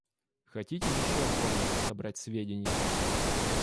Хотите еще о ком-нибудь собрать сведения?